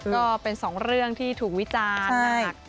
ก็เป็นสองเรื่องที่ถูกวิจารณ์หนัก